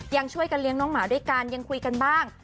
ยังช่วยกันเลี้ยงน้องหมาด้วยกันยังคุยกันบ้าง